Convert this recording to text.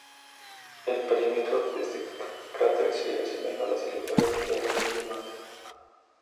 El perímetro de este cráter se asemeja a la silueta redondeada de un diamante.